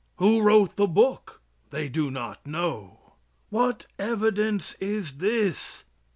Who wrote the book? They do not know. What evidence is this?